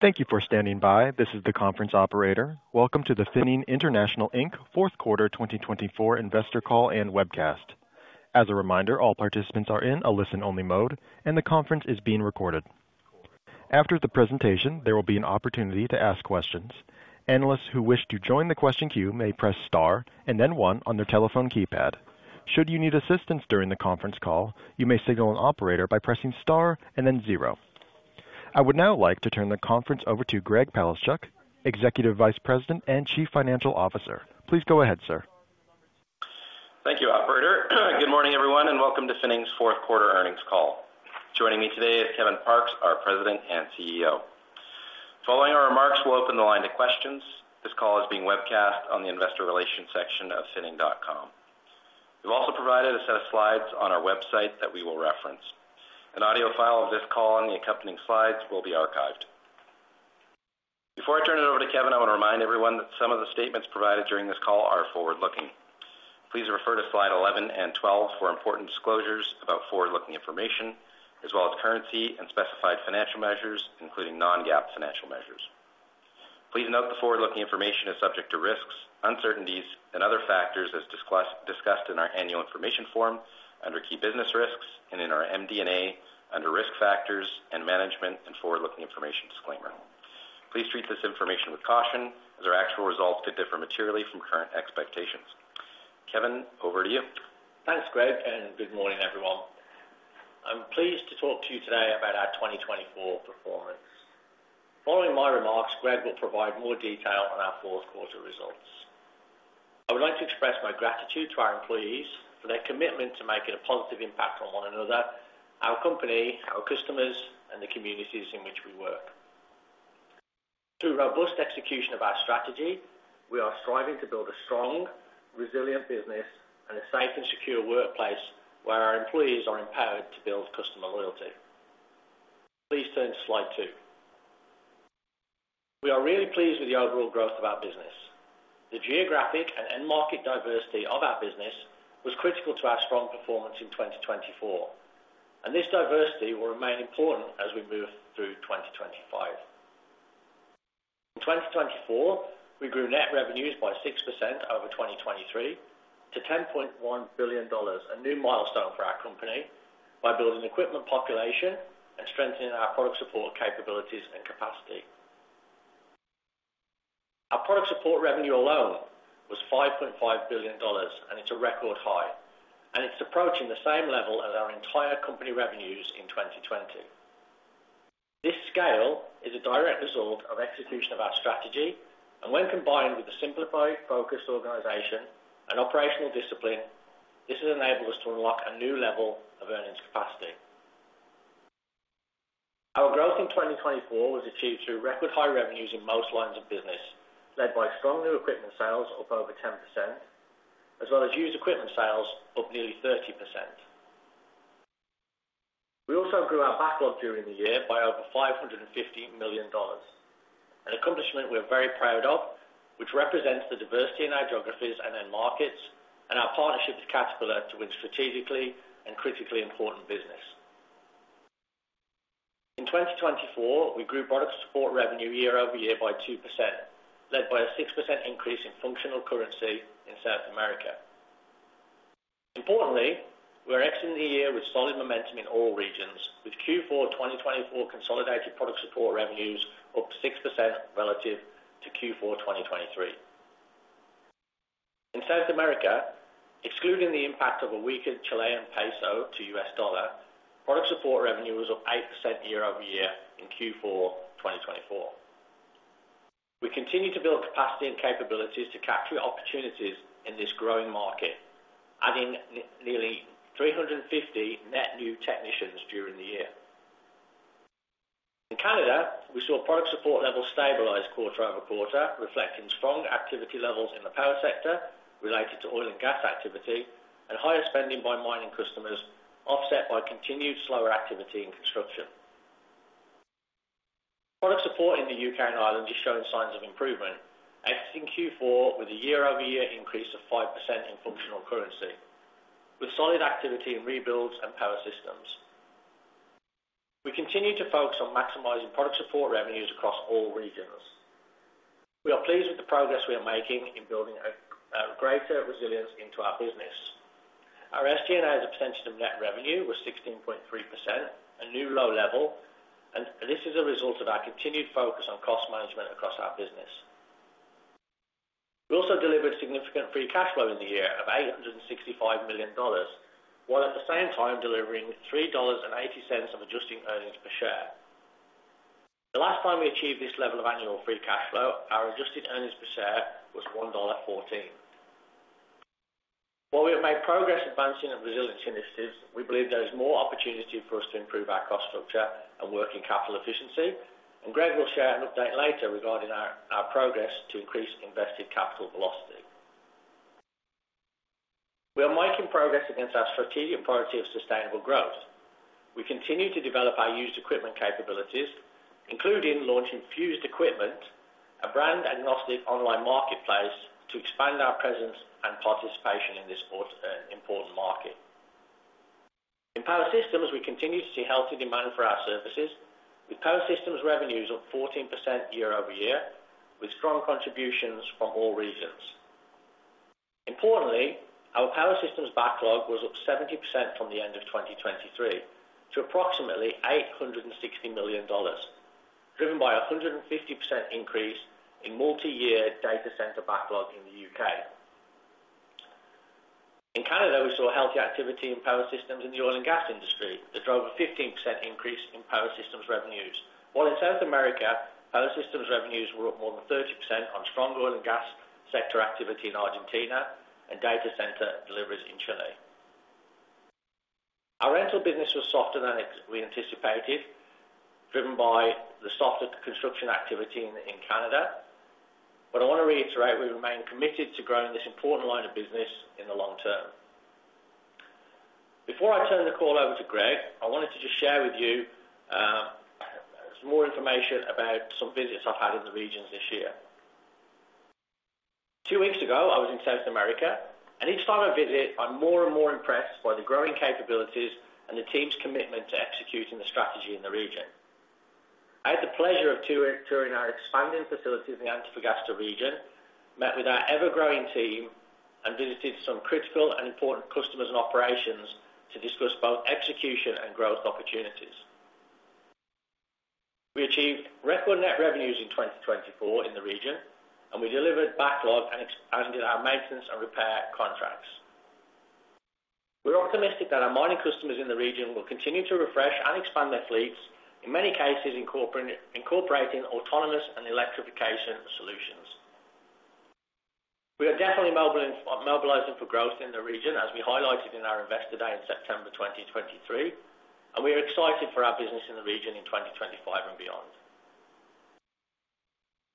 Thank you for standing by. This is the conference operator. Welcome to the Finning International Inc., Fourth Quarter 2024 Investor Call and Webcast. As a reminder, all participants are in a listen-only mode, and the conference is being recorded. After the presentation, there will be an opportunity to ask questions. Analysts who wish to join the question queue may press star and then one on their telephone keypad. Should you need assistance during the conference call, you may signal an operator by pressing star and then zero. I would now like to turn the conference over to Greg Palaschuk, Executive Vice President and Chief Financial Officer. Please go ahead, sir. Thank you, operator. Good morning, everyone, and welcome to Finning's Fourth Quarter Earnings Call. Joining me today is Kevin Parkes, our President and CEO. Following our remarks, we'll open the line to questions. This call is being webcast on the investor relations section of finning.com. We've also provided a set of slides on our website that we will reference. An audio file of this call and the accompanying slides will be archived. Before I turn it over to Kevin, I want to remind everyone that some of the statements provided during this call are forward-looking. Please refer to slide 11 and 12 for important disclosures about forward-looking information, as well as currency and specified financial measures, including non-GAAP financial measures. Please note the forward-looking information is subject to risks, uncertainties, and other factors as discussed in our annual information form under key business risks and in our MD&A under risk factors and management and forward-looking information disclaimer. Please treat this information with caution as our actual results could differ materially from current expectations. Kevin, over to you. Thanks, Greg, and good morning, everyone. I'm pleased to talk to you today about our 2024 performance. Following my remarks, Greg will provide more detail on our fourth quarter results. I would like to express my gratitude to our employees for their commitment to making a positive impact on one another, our company, our customers, and the communities in which we work. Through robust execution of our strategy, we are striving to build a strong, resilient business and a safe and secure workplace where our employees are empowered to build customer loyalty. Please turn to slide two. We are really pleased with the overall growth of our business. The geographic and market diversity of our business was critical to our strong performance in 2024, and this diversity will remain important as we move through 2025. In 2024, we grew net revenues by 6% over 2023 to 10.1 billion dollars, a new milestone for our company by building equipment population and strengthening our product support capabilities and capacity. Our product support revenue alone was 5.5 billion dollars, and it's a record high, and it's approaching the same level as our entire company revenues in 2020. This scale is a direct result of execution of our strategy, and when combined with a simplified, focused organization and operational discipline, this has enabled us to unlock a new level of earnings capacity. Our growth in 2024 was achieved through record high revenues in most lines of business, led by strong new equipment sales of over 10%, as well as used equipment sales of nearly 30%. We also grew our backlog during the year by over $550 million, an accomplishment we are very proud of, which represents the diversity in our geographies and markets and our partnership with Caterpillar to win strategically and critically important business. In 2024, we grew product support revenue year-over-year by 2%, led by a 6% increase in functional currency in South America. Importantly, we're exiting the year with solid momentum in all regions, with Q4 2024 consolidated product support revenues of 6% relative to Q4 2023. In South America, excluding the impact of a weaker Chilean peso to US dollar, product support revenue was up 8% year-over-year in Q4 2024. We continue to build capacity and capabilities to capture opportunities in this growing market, adding nearly 350 net new technicians during the year. In Canada, we saw product support levels stabilize quarter over quarter, reflecting strong activity levels in the power sector related to oil and gas activity and higher spending by mining customers, offset by continued slower activity in construction. Product support in the U.K. and Ireland is showing signs of improvement, exiting Q4 with a year-over-year increase of 5% in functional currency, with solid activity in rebuilds and power systems. We continue to focus on maximizing product support revenues across all regions. We are pleased with the progress we are making in building greater resilience into our business. Our SG&A as a percentage of net revenue was 16.3%, a new low level, and this is a result of our continued focus on cost management across our business. We also delivered significant free cash flow in the year of 865 million dollars, while at the same time delivering 3.80 dollars of adjusting earnings per share. The last time we achieved this level of annual free cash flow, our adjusted earnings per share was 1.14 dollar. While we have made progress advancing resilience initiatives, we believe there is more opportunity for us to improve our cost structure and working capital efficiency, and Greg will share an update later regarding our progress to increase invested capital velocity. We are making progress against our strategic priority of sustainable growth. We continue to develop our used equipment capabilities, including launching Fused Equipment, a brand-agnostic online marketplace to expand our presence and participation in this important market. In power systems, we continue to see healthy demand for our services, with power systems revenues of 14% year-over-year, with strong contributions from all regions. Importantly, our power systems backlog was up 70% from the end of 2023 to approximately 860 million dollars, driven by a 150% increase in multi-year data center backlog in the U.K. In Canada, we saw healthy activity in power systems in the oil and gas industry that drove a 15% increase in power systems revenues, while in South America, power systems revenues were up more than 30% on strong oil and gas sector activity in Argentina and data center deliveries in Chile. Our rental business was softer than we anticipated, driven by the softer construction activity in Canada, but I want to reiterate we remain committed to growing this important line of business in the long term. Before I turn the call over to Greg, I wanted to just share with you some more information about some visits I've had in the regions this year. Two weeks ago, I was in South America, and each time I visit, I'm more and more impressed by the growing capabilities and the team's commitment to executing the strategy in the region. I had the pleasure of touring our expanding facilities in the Antofagasta region, met with our ever-growing team, and visited some critical and important customers and operations to discuss both execution and growth opportunities. We achieved record net revenues in 2024 in the region, and we delivered backlog and expanded our maintenance and repair contracts. We're optimistic that our mining customers in the region will continue to refresh and expand their fleets, in many cases incorporating autonomous and electrification solutions. We are definitely mobilizing for growth in the region, as we highlighted in our investor day in September 2023, and we are excited for our business in the region in 2025 and beyond.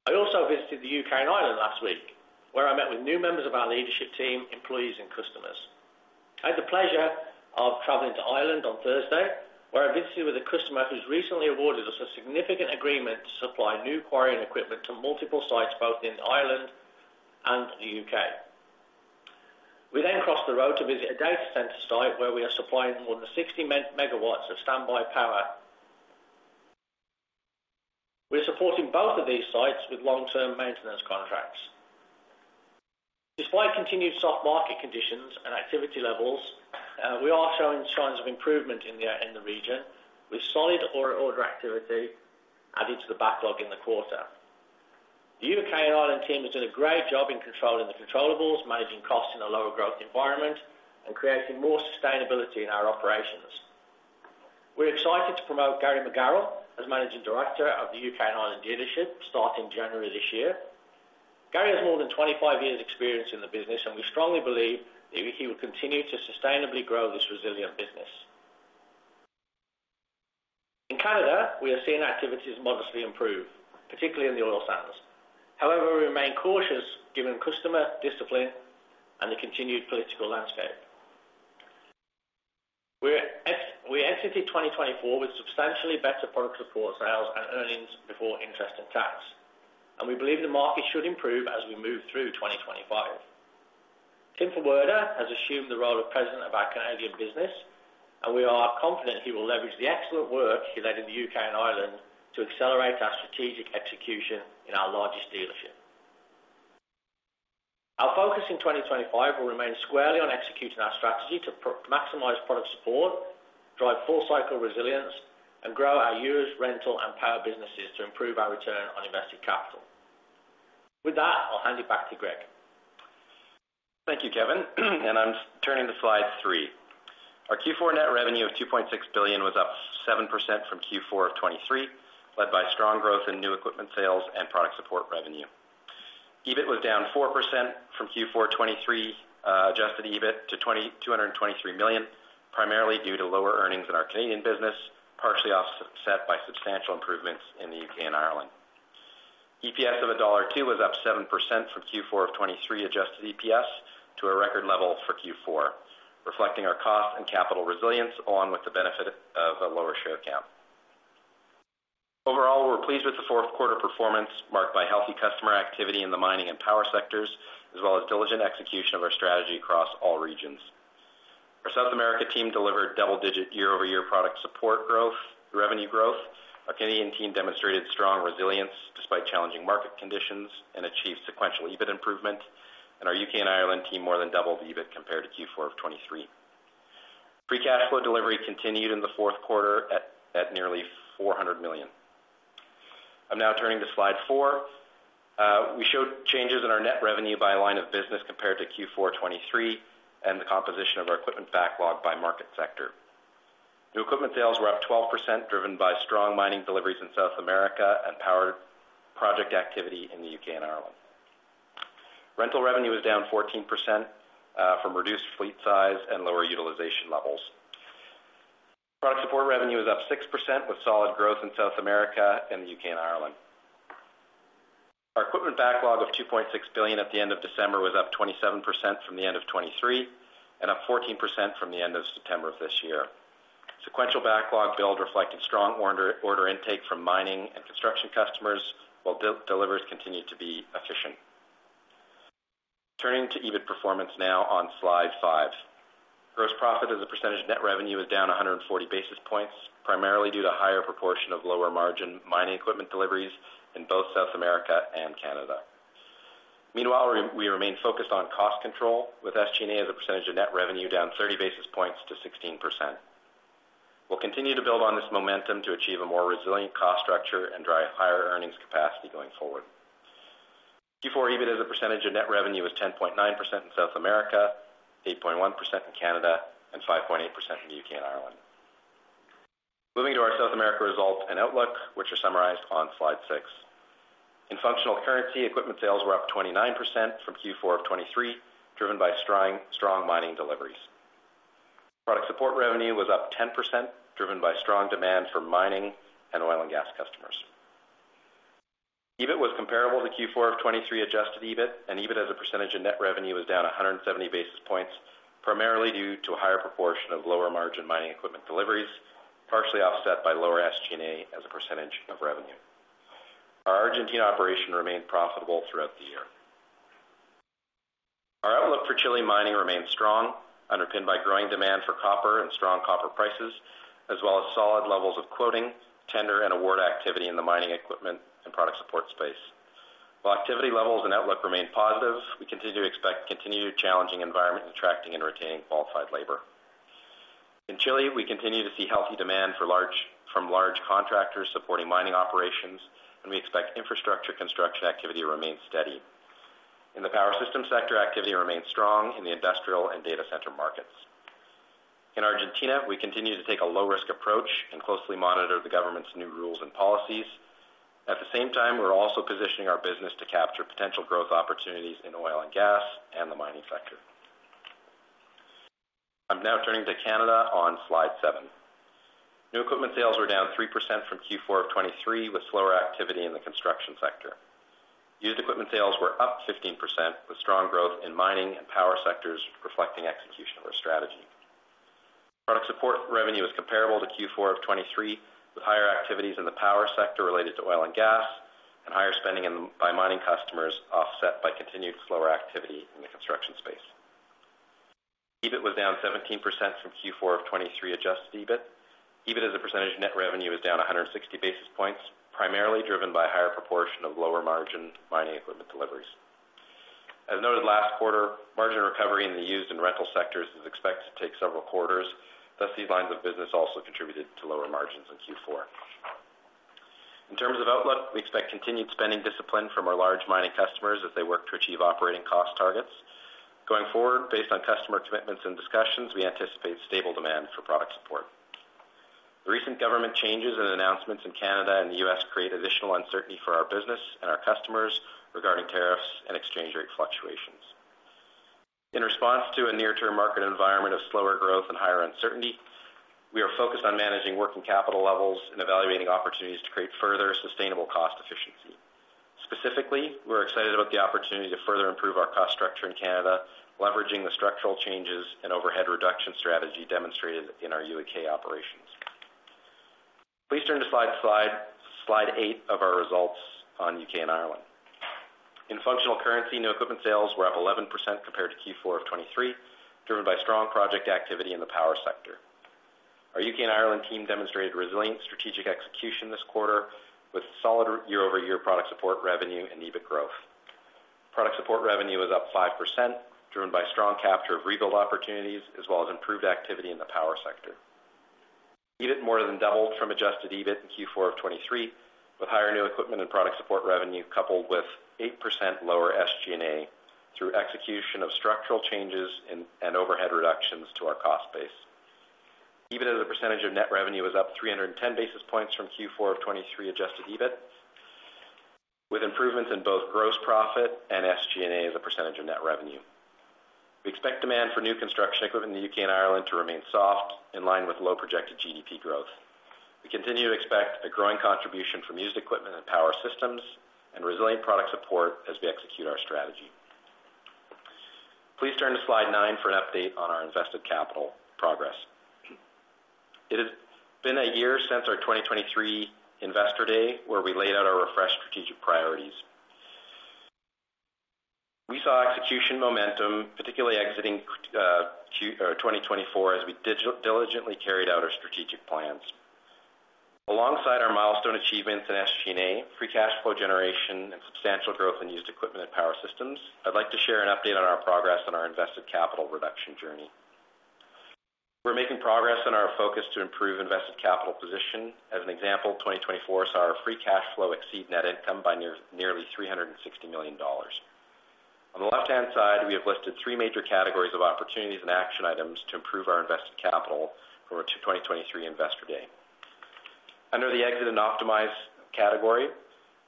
I also visited the U.K. and Ireland last week, where I met with new members of our leadership team, employees, and customers. I had the pleasure of traveling to Ireland on Thursday, where I visited with a customer who's recently awarded us a significant agreement to supply new quarrying equipment to multiple sites, both in Ireland and the U.K. We then crossed the road to visit a data center site where we are supplying more than 60 megawatts of standby power. We're supporting both of these sites with long-term maintenance contracts. Despite continued soft market conditions and activity levels, we are showing signs of improvement in the region, with solid order activity added to the backlog in the quarter. The U.K. and Ireland team has done a great job in controlling the controllables, managing costs in a lower growth environment, and creating more sustainability in our operations. We're excited to promote Gary McGarrell as Managing Director of the U.K. and Ireland Leadership, starting January this year. Gary has more than 25 years' experience in the business, and we strongly believe that he will continue to sustainably grow this resilient business. In Canada, we are seeing activities modestly improve, particularly in the oil sands. However, we remain cautious given customer discipline and the continued political landscape. We exited 2024 with substantially better product support sales and earnings before interest and tax, and we believe the market should improve as we move through 2025. Tim Ferwerda has assumed the role of President of our Canadian business, and we are confident he will leverage the excellent work he led in the U.K. and Ireland to accelerate our strategic execution in our largest dealership. Our focus in 2025 will remain squarely on executing our strategy to maximize product support, drive full-cycle resilience, and grow our use, rental, and power businesses to improve our return on invested capital. With that, I'll hand it back to Greg. Thank you, Kevin, and I'm turning to slide three. Our Q4 net revenue of 2.6 billion was up 7% from Q4 of 23, led by strong growth in new equipment sales and product support revenue. EBIT was down 4% from Q4 23, adjusted EBIT to $223 million, primarily due to lower earnings in our Canadian business, partially offset by substantial improvements in the U.K. and Ireland. EPS of $1.02 was up 7% from Q4 of 23, adjusted EPS to a record level for Q4, reflecting our cost and capital resilience, along with the benefit of a lower share count. Overall, we're pleased with the fourth quarter performance, marked by healthy customer activity in the mining and power sectors, as well as diligent execution of our strategy across all regions. Our South America team delivered double-digit year-over-year product support growth, revenue growth. Our Canadian team demonstrated strong resilience despite challenging market conditions and achieved sequential EBIT improvement, and our U.K. and Ireland team more than doubled EBIT compared to Q4 of 23. Free cash flow delivery continued in the fourth quarter at nearly 400 million. I'm now turning to slide four. We showed changes in our net revenue by line of business compared to Q4 23 and the composition of our equipment backlog by market sector. New equipment sales were up 12%, driven by strong mining deliveries in South America and power project activity in the U.K. and Ireland. Rental revenue was down 14% from reduced fleet size and lower utilization levels. Product support revenue was up 6% with solid growth in South America and the U.K. and Ireland. Our equipment backlog of 2.6 billion at the end of December was up 27% from the end of 23 and up 14% from the end of September of this year. Sequential backlog build reflected strong order intake from mining and construction customers, while deliveries continued to be efficient. Turning to EBIT performance now on slide five. Gross profit as a percentage of net revenue is down 140 basis points, primarily due to a higher proportion of lower margin mining equipment deliveries in both South America and Canada. Meanwhile, we remain focused on cost control, with SG&A as a percentage of net revenue down 30 basis points to 16%. We'll continue to build on this momentum to achieve a more resilient cost structure and drive higher earnings capacity going forward. Q4 EBIT as a percentage of net revenue was 10.9% in South America, 8.1% in Canada, and 5.8% in the U.K. and Ireland. Moving to our South America results and outlook, which are summarized on slide six. In functional currency, equipment sales were up 29% from Q4 of 23, driven by strong mining deliveries. Product support revenue was up 10%, driven by strong demand for mining and oil and gas customers. EBIT was comparable to Q4 of 23 adjusted EBIT, and EBIT as a percentage of net revenue was down 170 basis points, primarily due to a higher proportion of lower margin mining equipment deliveries, partially offset by lower SG&A as a percentage of revenue. Our Argentina operation remained profitable throughout the year. Our outlook for Chile mining remains strong, underpinned by growing demand for copper and strong copper prices, as well as solid levels of quoting, tender, and award activity in the mining equipment and product support space. While activity levels and outlook remain positive, we continue to expect continued challenging environment in attracting and retaining qualified labor. In Chile, we continue to see healthy demand from large contractors supporting mining operations, and we expect infrastructure construction activity to remain steady. In the power system sector, activity remains strong in the industrial and data center markets. In Argentina, we continue to take a low-risk approach and closely monitor the government's new rules and policies. At the same time, we're also positioning our business to capture potential growth opportunities in oil and gas and the mining sector. I'm now turning to Canada on slide seven. New equipment sales were down 3% from Q4 of 23, with slower activity in the construction sector. Used equipment sales were up 15%, with strong growth in mining and power sectors reflecting execution of our strategy. Product support revenue was comparable to Q4 of 23, with higher activities in the power sector related to oil and gas and higher spending by mining customers offset by continued slower activity in the construction space. EBIT was down 17% from Q4 of 23 adjusted EBIT. EBIT as a percentage of net revenue is down 160 basis points, primarily driven by a higher proportion of lower margin mining equipment deliveries. As noted last quarter, margin recovery in the used and rental sectors is expected to take several quarters. Thus, these lines of business also contributed to lower margins in Q4. In terms of outlook, we expect continued spending discipline from our large mining customers as they work to achieve operating cost targets. Going forward, based on customer commitments and discussions, we anticipate stable demand for product support. The recent government changes and announcements in Canada and the U.S. create additional uncertainty for our business and our customers regarding tariffs and exchange rate fluctuations. In response to a near-term market environment of slower growth and higher uncertainty, we are focused on managing working capital levels and evaluating opportunities to create further sustainable cost efficiency. Specifically, we're excited about the opportunity to further improve our cost structure in Canada, leveraging the structural changes and overhead reduction strategy demonstrated in our U.K. operations. Please turn to slide eight of our results on U.K. and Ireland. In functional currency, new equipment sales were up 11% compared to Q4 of 23, driven by strong project activity in the power sector. Our U.K. and Ireland team demonstrated resilient strategic execution this quarter, with solid year-over-year product support revenue and EBIT growth. Product support revenue was up 5%, driven by strong capture of rebuild opportunities, as well as improved activity in the power sector. EBIT more than doubled from adjusted EBIT in Q4 of 23, with higher new equipment and product support revenue coupled with 8% lower SG&A through execution of structural changes and overhead reductions to our cost base. EBIT as a percentage of net revenue was up 310 basis points from Q4 of 23 adjusted EBIT, with improvements in both gross profit and SG&A as a percentage of net revenue. We expect demand for new construction equipment in the U.K. and Ireland to remain soft, in line with low projected GDP growth. We continue to expect a growing contribution from used equipment and power systems and resilient product support as we execute our strategy. Please turn to slide nine for an update on our invested capital progress. It has been a year since our 2023 Investor Day, where we laid out our refreshed strategic priorities. We saw execution momentum, particularly exiting 2024, as we diligently carried out our strategic plans. Alongside our milestone achievements in SG&A, free cash flow generation, and substantial growth in used equipment and power systems, I'd like to share an update on our progress on our invested capital reduction journey. We're making progress in our focus to improve invested capital position. As an example, 2024 saw our free cash flow exceed net income by nearly 360 million dollars. On the left-hand side, we have listed three major categories of opportunities and action items to improve our invested capital for 2023 Investor Day. Under the exit and optimize category,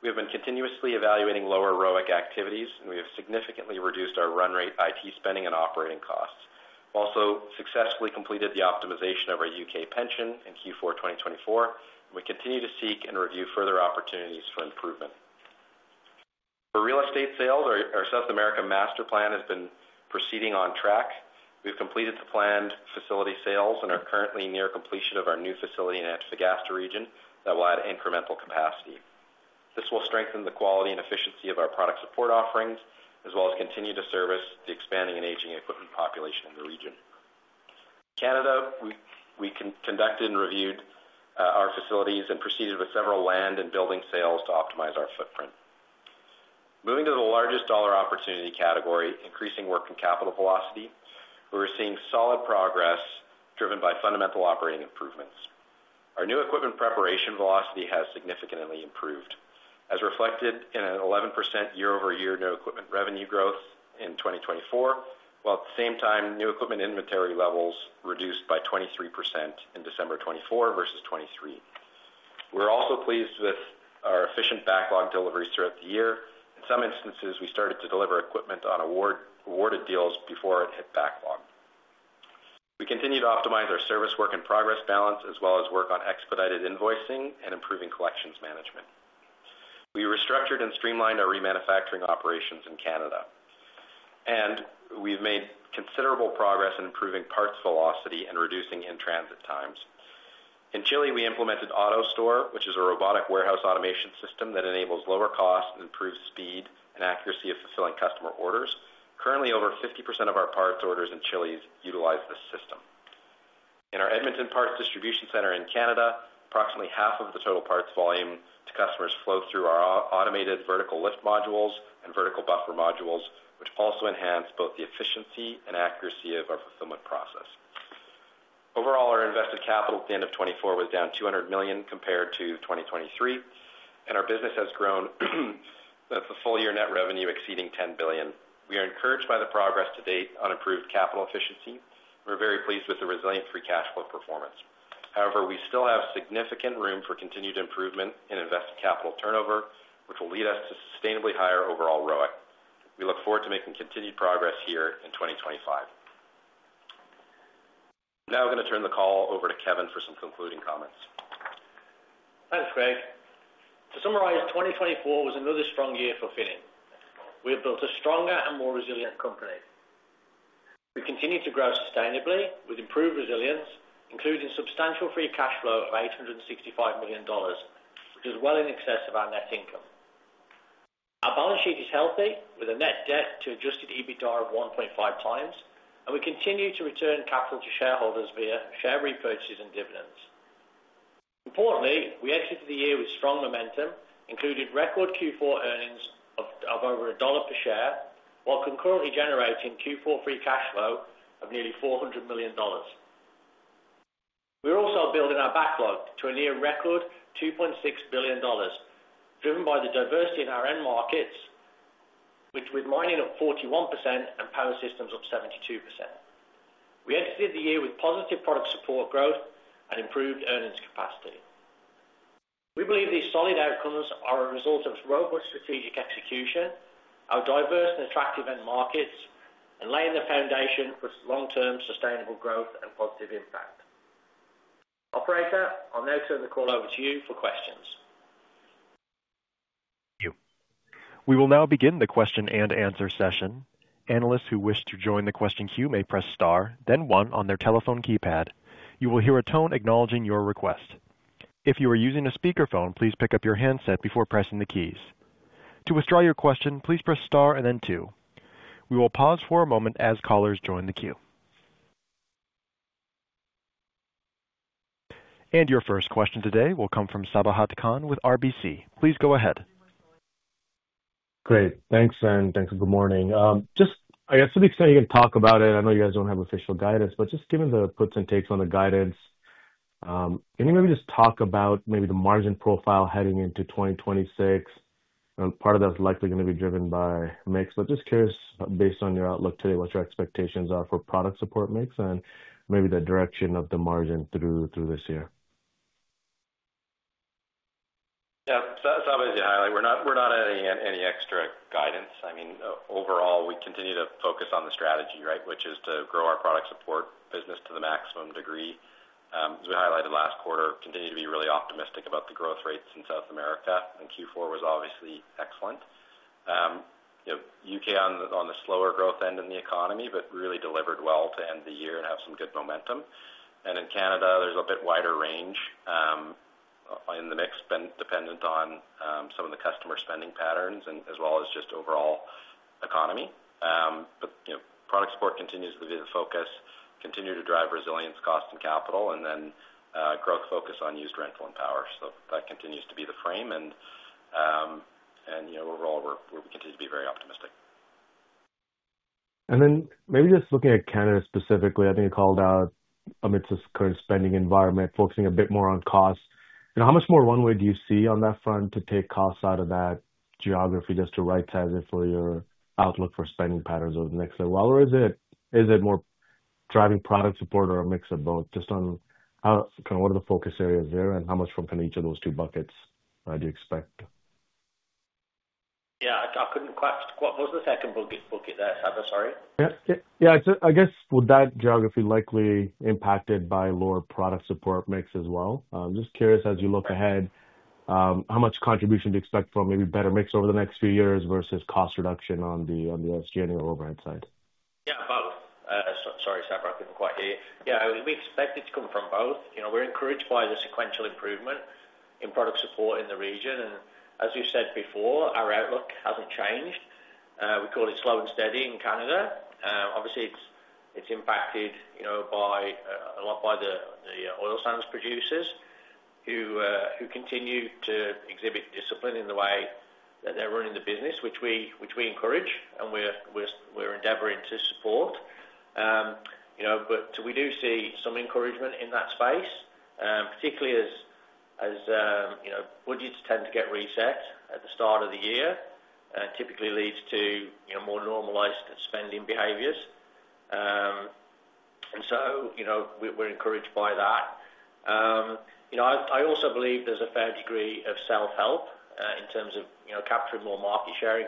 we have been continuously evaluating lower ROIC activities, and we have significantly reduced our run rate IT spending and operating costs. We also successfully completed the optimization of our U.K. pension in Q4 2024, and we continue to seek and review further opportunities for improvement. For real estate sales, our South America master plan has been proceeding on track. We've completed the planned facility sales and are currently near completion of our new facility in Antofagasta region that will add incremental capacity. This will strengthen the quality and efficiency of our product support offerings, as well as continue to service the expanding and aging equipment population in the region. In Canada, we conducted and reviewed our facilities and proceeded with several land and building sales to optimize our footprint. Moving to the largest dollar opportunity category, increasing working capital velocity, we were seeing solid progress driven by fundamental operating improvements. Our new equipment preparation velocity has significantly improved, as reflected in an 11% year-over-year new equipment revenue growth in 2024, while at the same time, new equipment inventory levels reduced by 23% in December 24 versus 23. We're also pleased with our efficient backlog deliveries throughout the year. In some instances, we started to deliver equipment on awarded deals before it hit backlog. We continue to optimize our service work in progress balance, as well as work on expedited invoicing and improving collections management. We restructured and streamlined our remanufacturing operations in Canada, and we've made considerable progress in improving parts velocity and reducing in-transit times. In Chile, we implemented AutoStore, which is a robotic warehouse automation system that enables lower costs and improves speed and accuracy of fulfilling customer orders. Currently, over 50% of our parts orders in Chile utilize this system. In our Edmonton Parts Distribution Center in Canada, approximately half of the total parts volume to customers flows through our automated vertical lift modules and vertical buffer modules, which also enhance both the efficiency and accuracy of our fulfillment process. Overall, our invested capital at the end of 24 was down 200 million compared to 2023, and our business has grown with a full-year net revenue exceeding $10 billion. We are encouraged by the progress to date on improved capital efficiency. We're very pleased with the resilient free cash flow performance. However, we still have significant room for continued improvement in invested capital turnover, which will lead us to sustainably higher overall ROIC. We look forward to making continued progress here in 2025. Now I'm going to turn the call over to Kevin for some concluding comments. Thanks, Greg. To summarize, 2024 was another strong year for Finning. We have built a stronger and more resilient company. We continue to grow sustainably with improved resilience, including substantial free cash flow of 865 million dollars, which is well in excess of our net income. Our balance sheet is healthy, with a net debt to adjusted EBITDA of 1.5 times, and we continue to return capital to shareholders via share repurchases and dividends. Importantly, we exited the year with strong momentum, including record Q4 earnings of over a dollar per share, while concurrently generating Q4 free cash flow of nearly $400 million. We're also building our backlog to a near record $2.6 billion, driven by the diversity in our end markets, with mining up 41% and power systems up 72%. We exited the year with positive product support growth and improved earnings capacity. We believe these solid outcomes are a result of robust strategic execution, our diverse and attractive end markets, and laying the foundation for long-term sustainable growth and positive impact. Operator, I'll now turn the call over to you for questions. Thank you. We will now begin the question and answer session. Analysts who wish to join the question queue may press star, then one on their telephone keypad. You will hear a tone acknowledging your request. If you are using a speakerphone, please pick up your handset before pressing the keys. To withdraw your question, please press star and then two. We will pause for a moment as callers join the queue. Your first question today will come from Sabahat Khan with RBC. Please go ahead. Great. Thanks, and thanks for the good morning. Just, I guess, to the extent you can talk about it, I know you guys don't have official guidance, but just given the puts and takes on the guidance, can you maybe just talk about maybe the margin profile heading into 2026? Part of that's likely going to be driven by mix, but just curious, based on your outlook today, what your expectations are for product support mix and maybe the direction of the margin through this year. Yeah, that's obviously a highlight. We're not adding any extra guidance. I mean, overall, we continue to focus on the strategy, right, which is to grow our product support business to the maximum degree. As we highlighted last quarter, continue to be really optimistic about the growth rates in South America, and Q4 was obviously excellent. U.K. on the slower growth end in the economy, but really delivered well to end the year and have some good momentum, and in Canada, there's a bit wider range in the mix, dependent on some of the customer spending patterns and as well as just overall economy. But product support continues to be the focus, continue to drive resilience, cost, and capital, and then growth focus on used, rental, and power, so that continues to be the frame, and overall, we continue to be very optimistic. And then maybe just looking at Canada specifically, I think you called out current spending environment, focusing a bit more on costs. How much more runway do you see on that front to take costs out of that geography just to right-size it for your outlook for spending patterns over the next several years? Is it more driving product support or a mix of both? Just on what are the focus areas there and how much from kind of each of those two buckets do you expect? Yeah, I couldn't quite - what was the second bucket there? Sorry. Yeah, I guess with that geography, likely impacted by lower product support mix as well. I'm just curious, as you look ahead, how much contribution do you expect from maybe better mix over the next few years versus cost reduction on the SG&A overhead side? Yeah, both. Sorry, Sabah, I couldn't quite hear you. Yeah, we expect it to come from both. We're encouraged by the sequential improvement in product support in the region. And as you said before, our outlook hasn't changed. We call it slow and steady in Canada. Obviously, it's impacted a lot by the oil sands producers who continue to exhibit discipline in the way that they're running the business, which we encourage and we're endeavoring to support. But we do see some encouragement in that space, particularly as budgets tend to get reset at the start of the year, and typically leads to more normalized spending behaviors. And so we're encouraged by that. I also believe there's a fair degree of self-help in terms of capturing more market share in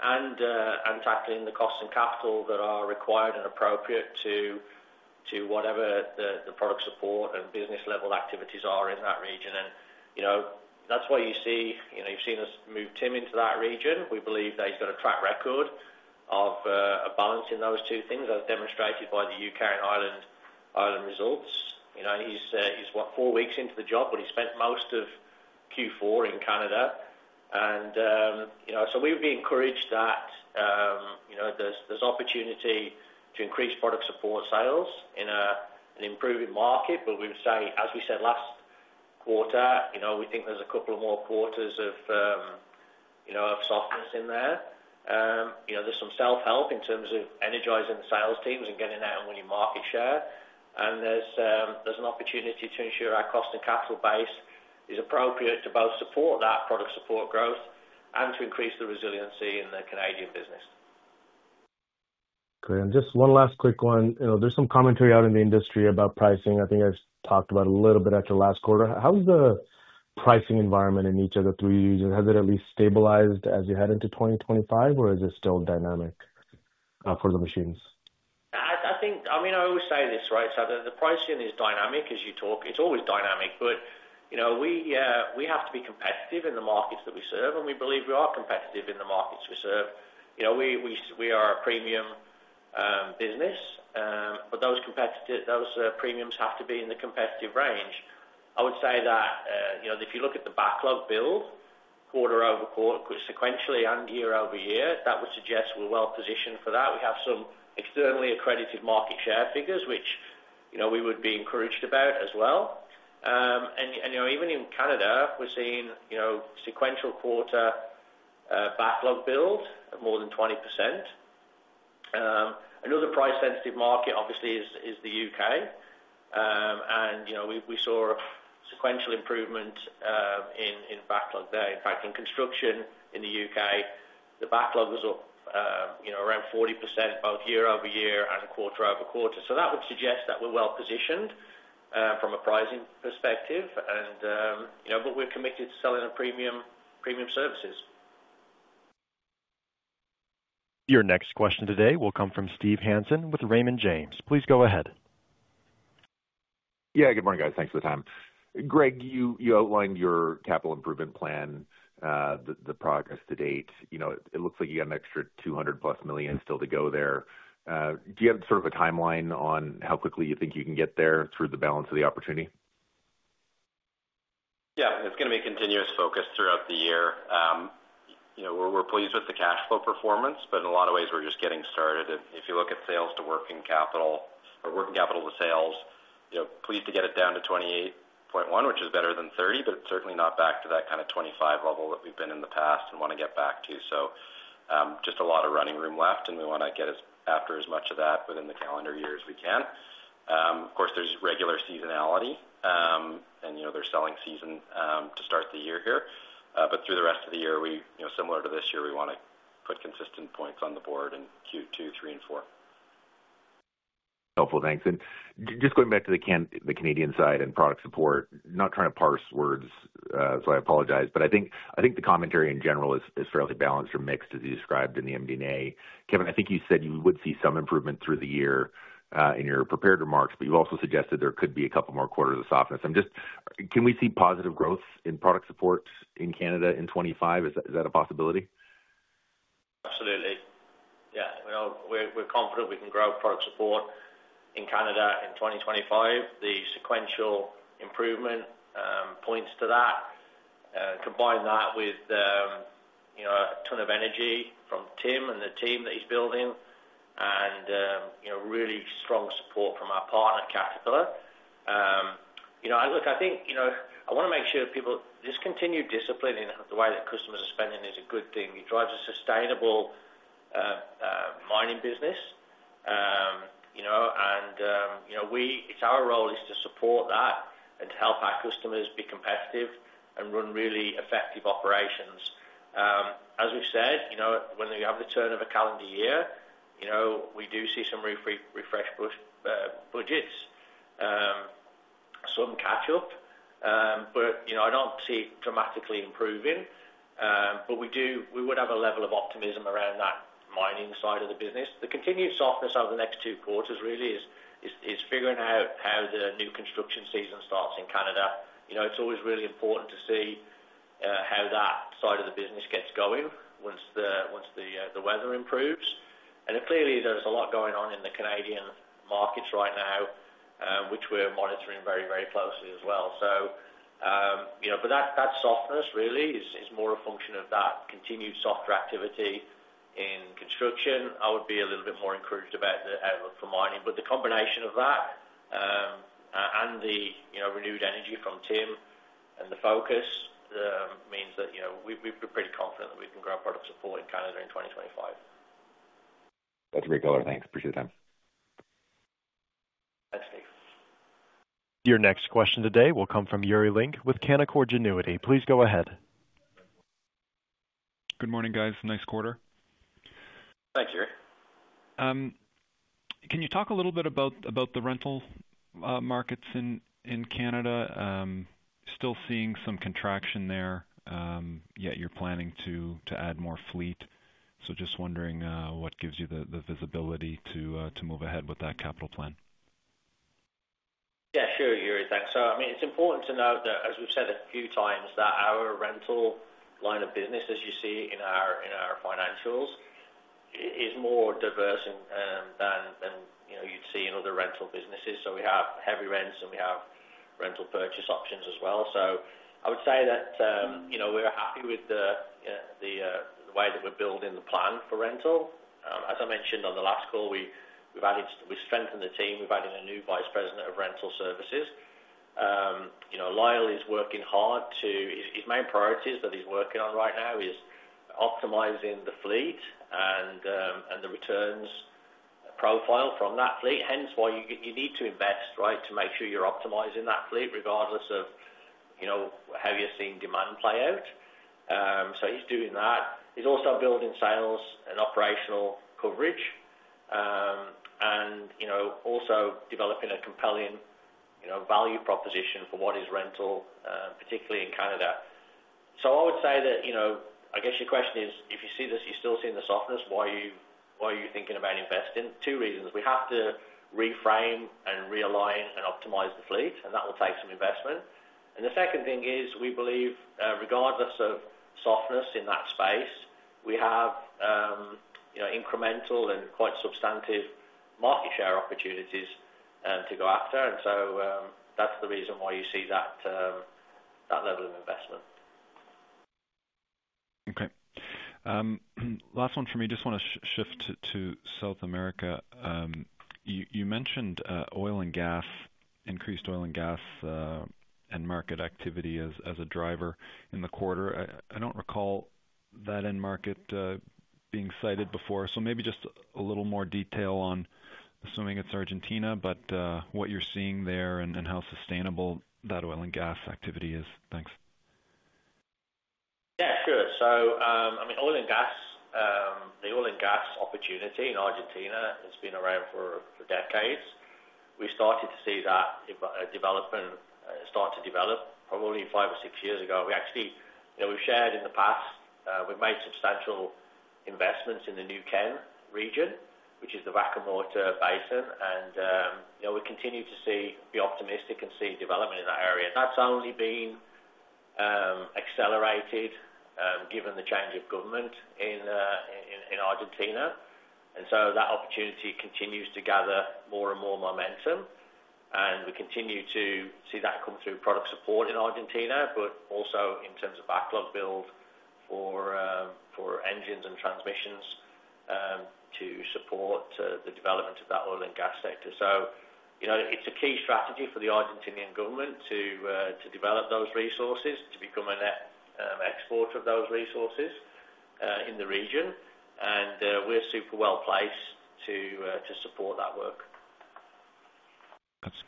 Canada and tackling the costs and capital that are required and appropriate to whatever the product support and business-level activities are in that region. And that's why you see—you've seen us move Tim into that region. We believe that he's got a track record of balancing those two things, as demonstrated by the U.K. and Ireland results. He's what, four weeks into the job, but he spent most of Q4 in Canada. And so we would be encouraged that there's opportunity to increase product support sales in an improving market. But we would say, as we said last quarter, we think there's a couple of more quarters of softness in there. There's some self-help in terms of energizing the sales teams and getting that and winning market share. And there's an opportunity to ensure our cost and capital base is appropriate to both support that product support growth and to increase the resiliency in the Canadian business. Great. And just one last quick one. There's some commentary out in the industry about pricing. I think I've talked about it a little bit after last quarter. How's the pricing environment in each of the three regions? Has it at least stabilized as you head into 2025, or is it still dynamic for the machines? I mean, I always say this, right? So the pricing is dynamic as you talk. It's always dynamic, but we have to be competitive in the markets that we serve, and we believe we are competitive in the markets we serve. We are a premium business, but those premiums have to be in the competitive range. I would say that if you look at the backlog build, quarter over quarter, sequentially and year-over-year, that would suggest we're well positioned for that. We have some externally accredited market share figures, which we would be encouraged about as well. And even in Canada, we're seeing sequential quarter backlog build, more than 20%. Another price-sensitive market, obviously, is the U.K., and we saw a sequential improvement in backlog there. In fact, in construction in the U.K., the backlog was up around 40% both year-over-year and quarter over quarter. So that would suggest that we're well positioned from a pricing perspective, but we're committed to selling premium services. Your next question today will come from Steve Hansen with Raymond James. Please go ahead. Yeah, good morning, guys. Thanks for the time. Greg, you outlined your capital improvement plan, the progress to date. It looks like you got an extra 200-plus million still to go there. Do you have sort of a timeline on how quickly you think you can get there through the balance of the opportunity? Yeah, it's going to be a continuous focus throughout the year. We're pleased with the cash flow performance, but in a lot of ways, we're just getting started. If you look at sales to working capital or working capital to sales, pleased to get it down to 28.1, which is better than 30, but it's certainly not back to that kind of 25 level that we've been in the past and want to get back to, so just a lot of running room left, and we want to get after as much of that within the calendar year as we can. Of course, there's regular seasonality, and the selling season to start the year here. But through the rest of the year, similar to this year, we want to put consistent points on the board in Q2, Q3, and Q4. Helpful, thanks. And just going back to the Canadian side and product support, not trying to parse words, so I apologize, but I think the commentary in general is fairly balanced or mixed, as you described in the MD&A. Kevin, I think you said you would see some improvement through the year in your prepared remarks, but you also suggested there could be a couple more quarters of softness. Can we see positive growth in product support in Canada in 25? Is that a possibility? Absolutely. Yeah, we're confident we can grow product support in Canada in 2025. The sequential improvement points to that. Combine that with a ton of energy from Tim and the team that he's building and really strong support from our partner Caterpillar. Look, I think I want to make sure people, this continued discipline in the way that customers are spending is a good thing. It drives a sustainable mining business, and it's our role to support that and to help our customers be competitive and run really effective operations. As we've said, when we have the turn of a calendar year, we do see some refresh budgets, some catch-up, but I don't see it dramatically improving. But we would have a level of optimism around that mining side of the business. The continued softness over the next two quarters really is figuring out how the new construction season starts in Canada. It's always really important to see how that side of the business gets going once the weather improves. And clearly, there's a lot going on in the Canadian markets right now, which we're monitoring very, very closely as well. But that softness really is more a function of that continued soft activity in construction. I would be a little bit more encouraged about the outlook for mining. But the combination of that and the renewed energy from Tim and the focus means that we're pretty confident that we can grow product support in Canada in 2025. That's a great caller. Thanks. Appreciate your time. Thanks, Steve. Your next question today will come from Yuri Lynk with Canaccord Genuity. Please go ahead. Good morning, guys. Nice quarter. Thank you. Can you talk a little bit about the rental markets in Canada? Still seeing some contraction there, yet you're planning to add more fleet. So just wondering what gives you the visibility to move ahead with that capital plan. Yeah, sure, Yuri. Thanks. So I mean, it's important to note that, as we've said a few times, that our rental line of business, as you see it in our financials, is more diverse than you'd see in other rental businesses. So we have heavy rents, and we have rental purchase options as well. So I would say that we're happy with the way that we're building the plan for rental. As I mentioned on the last call, we've strengthened the team. We've added a new vice president of rental services. Lyle is working hard to, his main priorities that he's working on right now is optimizing the fleet and the returns profile from that fleet. Hence, why you need to invest, right, to make sure you're optimizing that fleet regardless of how you're seeing demand play out. So he's doing that. He's also building sales and operational coverage and also developing a compelling value proposition for what is rental, particularly in Canada. So I would say that, I guess your question is, if you see this, you're still seeing the softness, why are you thinking about investing? Two reasons. We have to reframe and realign and optimize the fleet, and that will take some investment. And the second thing is, we believe regardless of softness in that space, we have incremental and quite substantive market share opportunities to go after. And so that's the reason why you see that level of investment. Okay. Last one for me. Just want to shift to South America. You mentioned increased oil and gas and market activity as a driver in the quarter. I don't recall that end market being cited before. So maybe just a little more detail on, assuming it's Argentina, but what you're seeing there and how sustainable that oil and gas activity is. Thanks. Yeah, sure. So I mean, the oil and gas opportunity in Argentina has been around for decades. We started to see that development develop probably five or six years ago. We actually shared in the past. We've made substantial investments in the Neuquén region, which is the Vaca Muerta Basin, and we continue to be optimistic and see development in that area. That's only been accelerated given the change of government in Argentina, and so that opportunity continues to gather more and more momentum, and we continue to see that come through product support in Argentina, but also in terms of backlog build for engines and transmissions to support the development of that oil and gas sector. So it's a key strategy for the Argentinian government to develop those resources, to become an exporter of those resources in the region, and we're super well placed to support that work.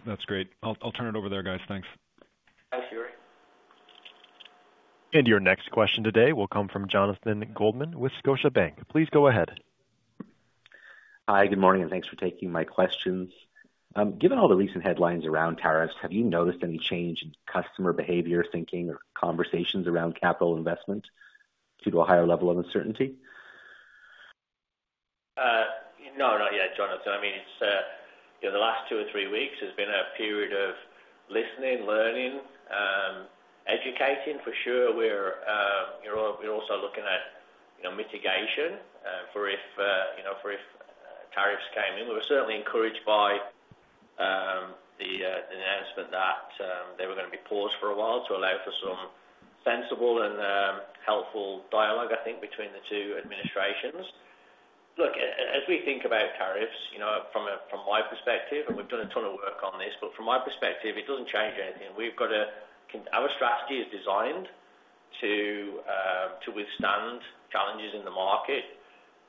That's great. I'll turn it over there, guys. Thanks. Thanks, Yuri. And your next question today will come from Jonathan Goldman with Scotiabank. Please go ahead. Hi, good morning, and thanks for taking my questions. Given all the recent headlines around tariffs, have you noticed any change in customer behavior, thinking, or conversations around capital investment due to a higher level of uncertainty? No, not yet, Jonathan. I mean, the last two or three weeks, there's been a period of listening, learning, educating. For sure, we're also looking at mitigation for if tariffs came in. We were certainly encouraged by the announcement that they were going to be paused for a while to allow for some sensible and helpful dialogue, I think, between the two administrations. Look, as we think about tariffs from my perspective, and we've done a ton of work on this, but from my perspective, it doesn't change anything. Our strategy is designed to withstand challenges in the market,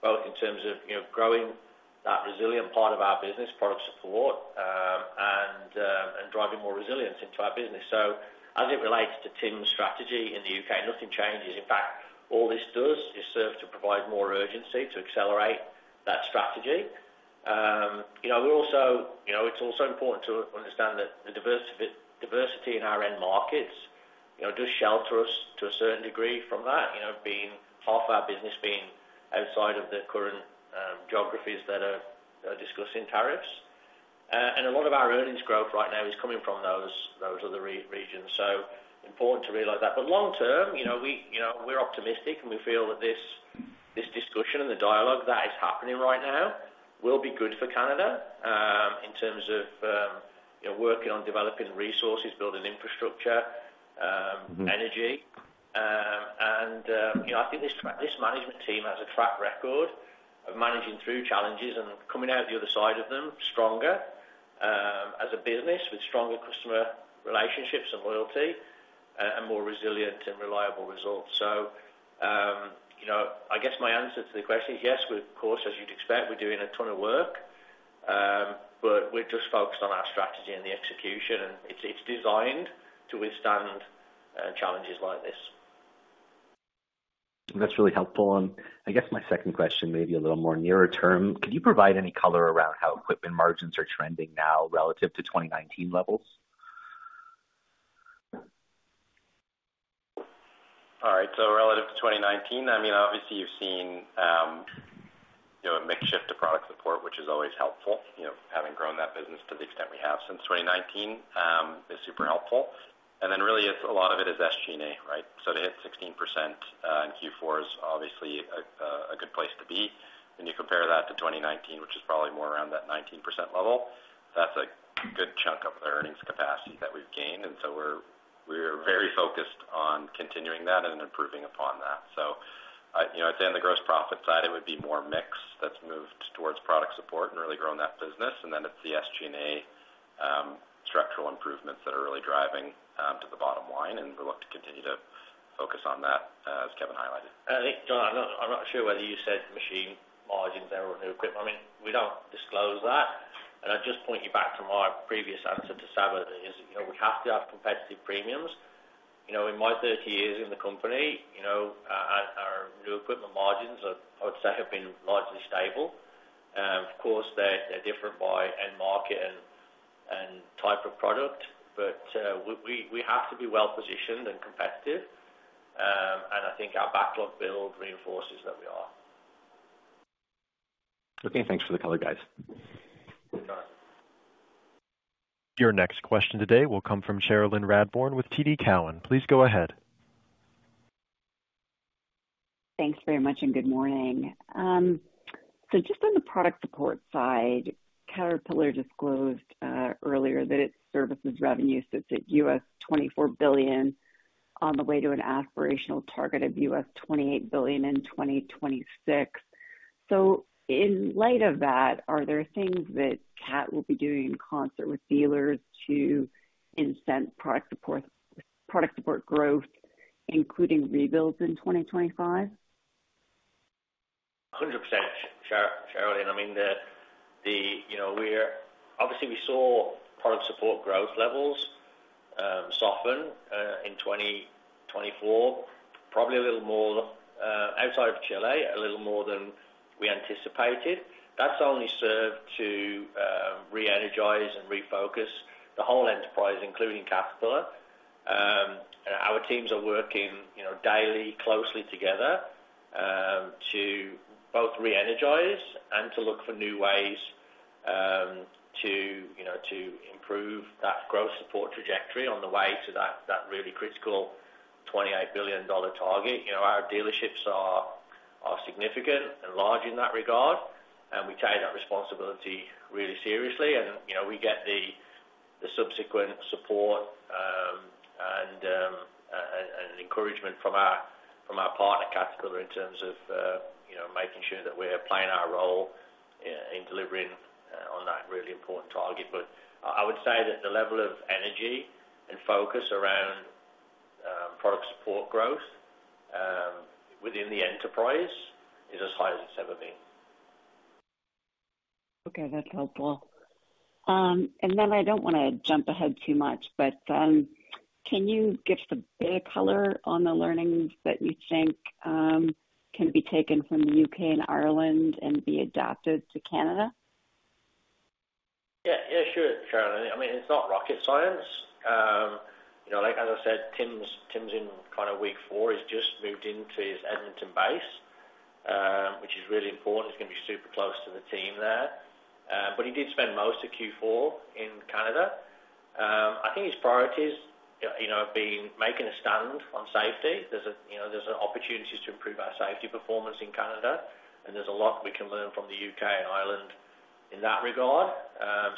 both in terms of growing that resilient part of our business, product support, and driving more resilience into our business. So as it relates to Tim's strategy in the U.K., nothing changes. In fact, all this does is serve to provide more urgency to accelerate that strategy. We're also, it's also important to understand that the diversity in our end markets does shelter us to a certain degree from that, being half our business being outside of the current geographies that are discussing tariffs. A lot of our earnings growth right now is coming from those other regions. It is important to realize that. But long-term, we're optimistic, and we feel that this discussion and the dialogue that is happening right now will be good for Canada in terms of working on developing resources, building infrastructure, energy. I think this management team has a track record of managing through challenges and coming out the other side of them stronger as a business with stronger customer relationships and loyalty and more resilient and reliable results. I guess my answer to the question is yes, of course, as you'd expect, we're doing a ton of work, but we're just focused on our strategy and the execution, and it's designed to withstand challenges like this. That's really helpful. I guess my second question, maybe a little more near-term, could you provide any color around how equipment margins are trending now relative to 2019 levels? All right. Relative to 2019, I mean, obviously, you've seen a mix shift of product support, which is always helpful. Having grown that business to the extent we have since 2019 is super helpful. And then really, a lot of it is SG&A, right? To hit 16% in Q4 is obviously a good place to be. When you compare that to 2019, which is probably more around that 19% level, that's a good chunk of the earnings capacity that we've gained. We're very focused on continuing that and improving upon that. I'd say on the gross profit side, it would be more mix that's moved towards product support and really grown that business. And then it's the SG&A structural improvements that are really driving to the bottom line, and we'll look to continue to focus on that, as Kevin highlighted. I think, John, I'm not sure whether you said machine margins are or new equipment. I mean, we don't disclose that. And I'll just point you back to my previous answer to Saba, that we have to have competitive premiums. In my 30 years in the company, our new equipment margins, I would say, have been largely stable. Of course, they're different by end market and type of product, but we have to be well positioned and competitive. And I think our backlog build reinforces that we are. Okay. Thanks for the color, guys. Your next question today will come from Cherilyn Radbourne with TD Cowen. Please go ahead. Thanks very much and good morning. So just on the product support side, Caterpillar disclosed earlier that its services revenue sits at $24 billion on the way to an aspirational target of $28 billion in 2026. So in light of that, are there things that CAT will be doing in concert with dealers to incent product support growth, including rebuilds in 2025? 100%, Cherilyn. I mean, obviously, we saw product support growth levels soften in 2024, probably a little more outside of Chile, a little more than we anticipated. That's only served to re-energize and refocus the whole enterprise, including Caterpillar. Our teams are working daily closely together to both re-energize and to look for new ways to improve that growth support trajectory on the way to that really critical $28 billion target. Our dealerships are significant and large in that regard, and we take that responsibility really seriously. And we get the subsequent support and encouragement from our partner, Caterpillar, in terms of making sure that we're playing our role in delivering on that really important target. But I would say that the level of energy and focus around product support growth within the enterprise is as high as it's ever been. Okay. That's helpful. And then I don't want to jump ahead too much, but can you give us a bit of color on the learnings that you think can be taken from the U.K. and Ireland and be adapted to Canada? Yeah, sure, Cherilyn. I mean, it's not rocket science. Like as I said, Tim's in kind of week four. He's just moved into his Edmonton base, which is really important. He's going to be super close to the team there. But he did spend most of Q4 in Canada. I think his priorities have been making a stand on safety. There's opportunities to improve our safety performance in Canada, and there's a lot we can learn from the U.K. and Ireland in that regard.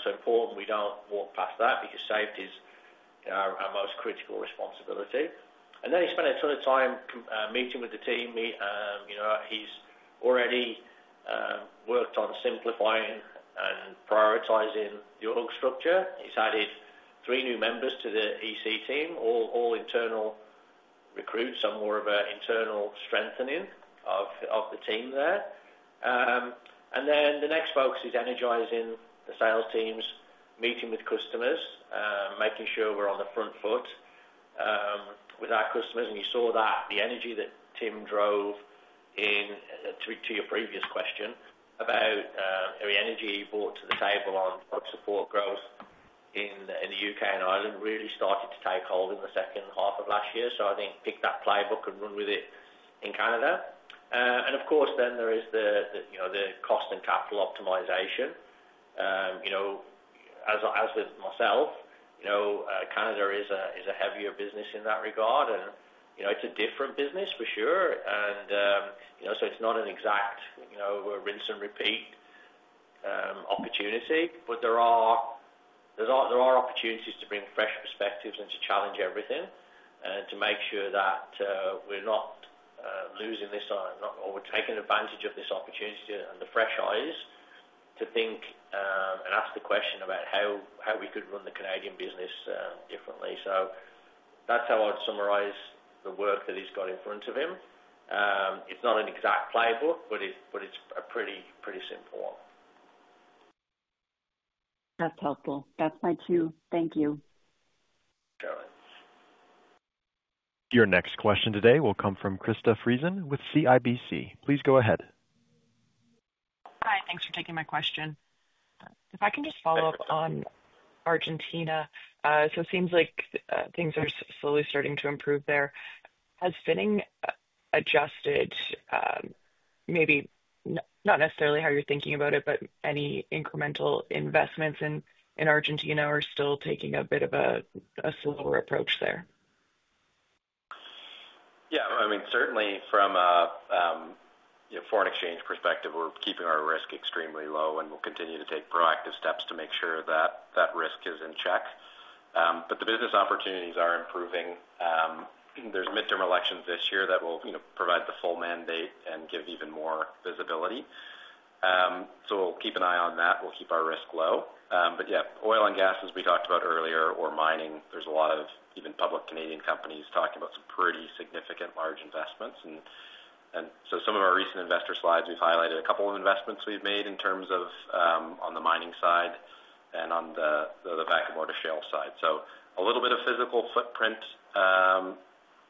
So important we don't walk past that because safety is our most critical responsibility. And then he spent a ton of time meeting with the team. He's already worked on simplifying and prioritizing the org structure. He's added three new members to the EC team, all internal recruits, some more of an internal strengthening of the team there. And then the next focus is energizing the sales teams, meeting with customers, making sure we're on the front foot with our customers. And you saw that the energy that Tim drove to your previous question about the energy he brought to the table on product support growth in the U.K. and Ireland really started to take hold in the second half of last year. So I think pick that playbook and run with it in Canada. And of course, then there is the cost and capital optimization. As with myself, Canada is a heavier business in that regard, and it's a different business for sure. And so it's not an exact rinse and repeat opportunity, but there are opportunities to bring fresh perspectives and to challenge everything and to make sure that we're not losing this or we're taking advantage of this opportunity and the fresh eyes to think and ask the question about how we could run the Canadian business differently. So that's how I'd summarize the work that he's got in front of him. It's not an exact playbook, but it's a pretty simple one. That's helpful. That's my two. Thank you, Cherilyn. Your next question today will come from Krista Friesen with CIBC. Please go ahead. Hi. Thanks for taking my question. If I can just follow up on Argentina. So it seems like things are slowly starting to improve there. Has Finning adjusted maybe not necessarily how you're thinking about it, but any incremental investments in Argentina or still taking a bit of a slower approach there? Yeah. I mean, certainly from a foreign exchange perspective, we're keeping our risk extremely low, and we'll continue to take proactive steps to make sure that risk is in check. But the business opportunities are improving. There's midterm elections this year that will provide the full mandate and give even more visibility. So we'll keep an eye on that. We'll keep our risk low. But yeah, oil and gas, as we talked about earlier, or mining, there's a lot of even public Canadian companies talking about some pretty significant large investments. And so some of our recent investor slides, we've highlighted a couple of investments we've made in terms of on the mining side and on the Vaca Muerta Shale side. So a little bit of physical footprint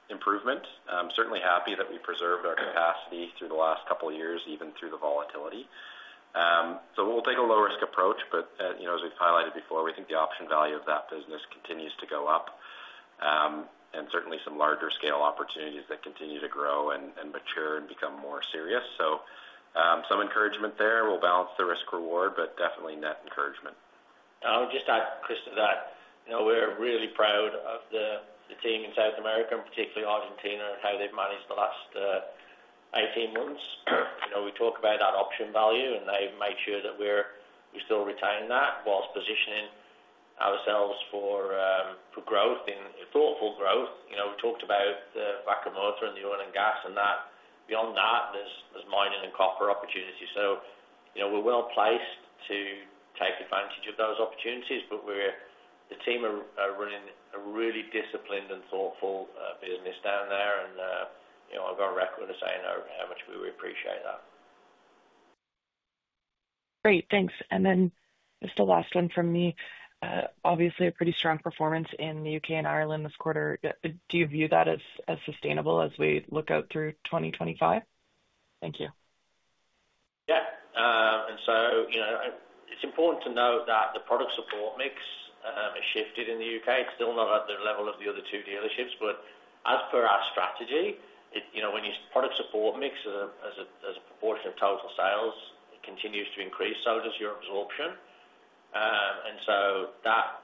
improvement. Certainly happy that we preserved our capacity through the last couple of years, even through the volatility. So we'll take a low-risk approach, but as we've highlighted before, we think the option value of that business continues to go up and certainly some larger scale opportunities that continue to grow and mature and become more serious. So some encouragement there. We'll balance the risk-reward, but definitely net encouragement. I would just add, Krista, that we're really proud of the team in South America and particularly Argentina and how they've managed the last 18 months. We talk about our option value, and they've made sure that we're still retaining that whilst positioning ourselves for growth and thoughtful growth. We talked about Vaca Muerta and the oil and gas, and beyond that, there's mining and copper opportunity. So we're well placed to take advantage of those opportunities, but the team are running a really disciplined and thoughtful business down there, and I've got a record of saying how much we would appreciate that. Great. Thanks. And then just the last one from me. Obviously, a pretty strong performance in the U.K. and Ireland this quarter. Do you view that as sustainable as we look out through 2025? Thank you. Yeah. And so it's important to note that the product support mix has shifted in the U.K. It's still not at the level of the other two dealerships, but as per our strategy, when you use product support mix as a proportion of total sales, it continues to increase. So does your absorption. And so that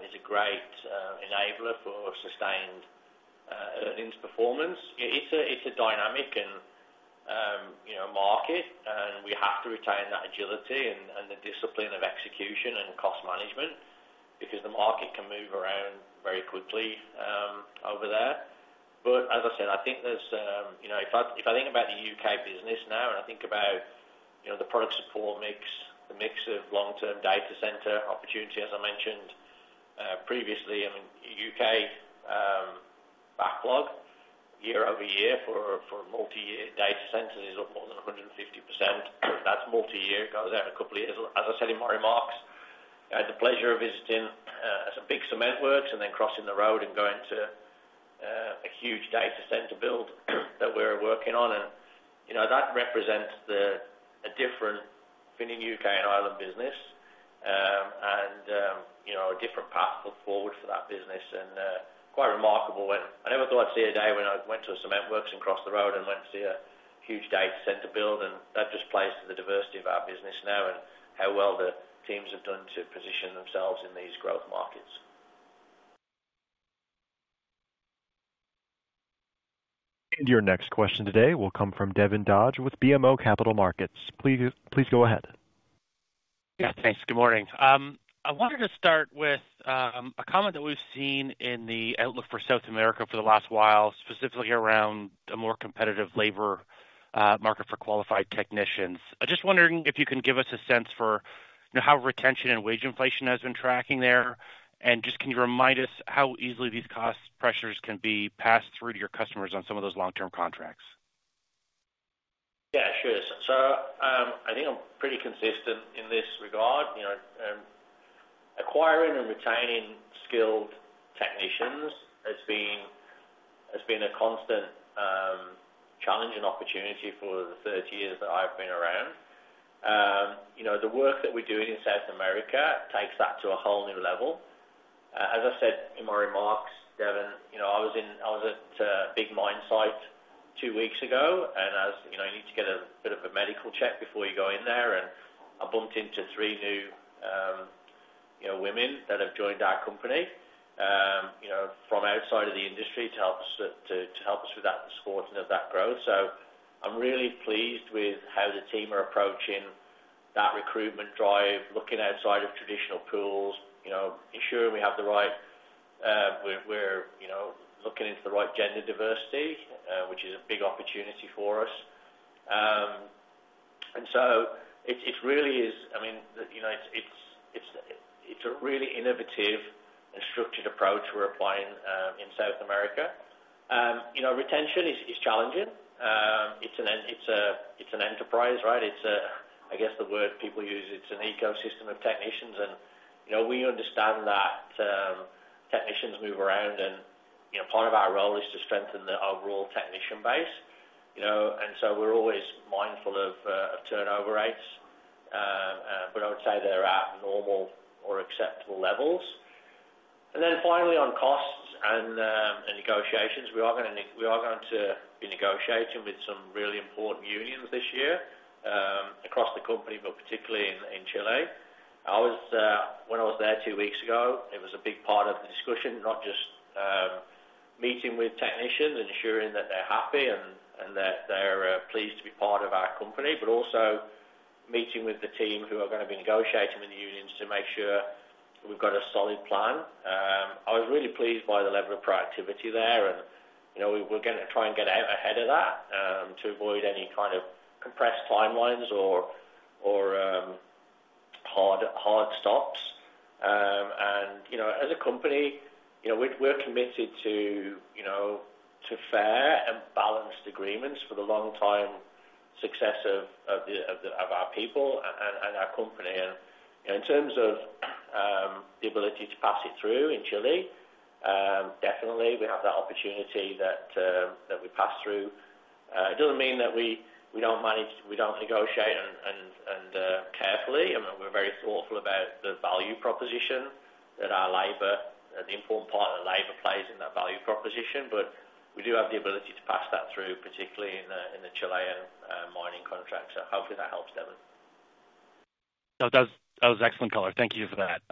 is a great enabler for sustained earnings performance. It's a dynamic market, and we have to retain that agility and the discipline of execution and cost management because the market can move around very quickly over there. But as I said, I think there's if I think about the U.K. business now and I think about the product support mix, the mix of long-term data center opportunity, as I mentioned previously, I mean, U.K. backlog year-over-year for multi-year data centers is up more than 150%. That's multi-year. It goes out a couple of years. As I said in my remarks, I had the pleasure of visiting some big cement works and then crossing the road and going to a huge data center build that we're working on. And that represents a different Finning U.K. and Ireland business and a different path forward for that business. And quite remarkable. I never thought I'd see a day when I went to a cement works and crossed the road and went to see a huge data center build, and that just plays to the diversity of our business now and how well the teams have done to position themselves in these growth markets. And your next question today will come from Devin Dodge with BMO Capital Markets. Please go ahead. Yeah. Thanks. Good morning. I wanted to start with a comment that we've seen in the outlook for South America for the last while, specifically around a more competitive labor market for qualified technicians. I'm just wondering if you can give us a sense for how retention and wage inflation has been tracking there. And just can you remind us how easily these cost pressures can be passed through to your customers on some of those long-term contracts? Yeah, sure. So I think I'm pretty consistent in this regard. Acquiring and retaining skilled technicians has been a constant challenge and opportunity for the 30 years that I've been around. The work that we're doing in South America takes that to a whole new level. As I said in my remarks, Devin, I was at a big mine site two weeks ago, and I need to get a bit of a medical check before you go in there. And I bumped into three new women that have joined our company from outside of the industry to help us with that support and of that growth. So I'm really pleased with how the team are approaching that recruitment drive, looking outside of traditional pools, ensuring we have the right, we're looking into the right gender diversity, which is a big opportunity for us. And so it really is, I mean, it's a really innovative and structured approach we're applying in South America. Retention is challenging. It's an enterprise, right? It's, I guess, the word people use. It's an ecosystem of technicians, and we understand that technicians move around, and part of our role is to strengthen the overall technician base, and so we're always mindful of turnover rates, but I would say they're at normal or acceptable levels, and then finally, on costs and negotiations, we are going to be negotiating with some really important unions this year across the company, but particularly in Chile. When I was there two weeks ago, it was a big part of the discussion, not just meeting with technicians and ensuring that they're happy and that they're pleased to be part of our company, but also meeting with the team who are going to be negotiating with the unions to make sure we've got a solid plan. I was really pleased by the level of productivity there, and we're going to try and get ahead of that to avoid any kind of compressed timelines or hard stops. And as a company, we're committed to fair and balanced agreements for the long-term success of our people and our company. And in terms of the ability to pass it through in Chile, definitely, we have that opportunity that we pass through. It doesn't mean that we don't negotiate carefully. I mean, we're very thoughtful about the value proposition that our labor, the important part of the labor plays in that value proposition, but we do have the ability to pass that through, particularly in the Chilean mining contract. So hopefully, that helps, Devin. That was excellent color. Thank you for that.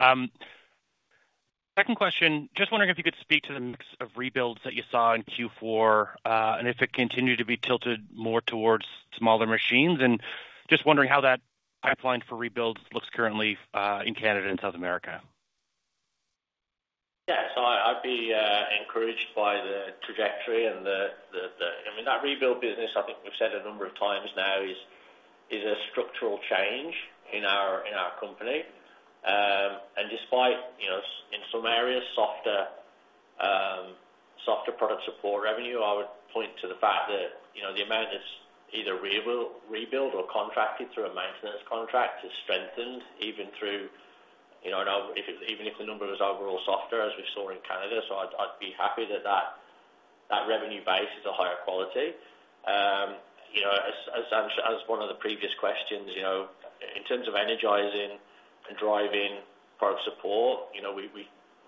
Second question, just wondering if you could speak to the mix of rebuilds that you saw in Q4 and if it continued to be tilted more towards smaller machines. And just wondering how that pipeline for rebuilds looks currently in Canada and South America. Yeah. So I'd be encouraged by the trajectory. And I mean, that rebuild business, I think we've said a number of times now, is a structural change in our company. And despite in some areas, softer product support revenue, I would point to the fact that the amount that's either rebuilt or contracted through a maintenance contract is strengthened even though even if the number was overall softer, as we saw in Canada. So I'd be happy that that revenue base is a higher quality. As one of the previous questions, in terms of energizing and driving product support,